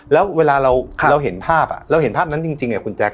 แล้วเวลาเราค่ะเราเห็นภาพอ่ะเราเห็นภาพนั้นจริงจริงไงคุณแจ๊ค